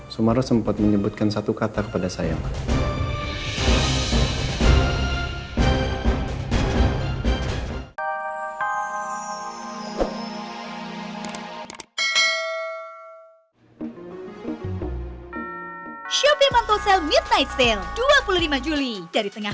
sumarno sempat menyebutkan satu kata kepada saya